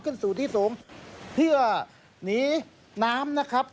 ขึ้นสู่ที่สูงเพื่อหนีน้ำนะครับ